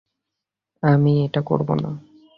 আমি এটা করব না!